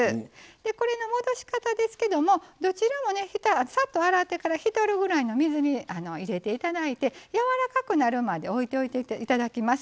これの戻し方ですけどどちらもさっと洗ってから浸るぐらいの水に入れていただいてやわらかくなるまで置いておいていただきます。